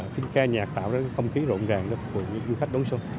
phim ca nhạc tạo ra cái không khí rộn ràng của những du khách đón xuân